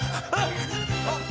あっ！